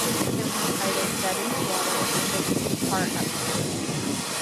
It was entitled "Dead in the Water" and was a two-part episode.